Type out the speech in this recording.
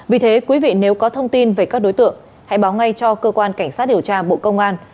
vì thế quý vị nếu có thông tin về các đối tượng hãy báo ngay cho cơ quan cảnh sát điều tra bộ công an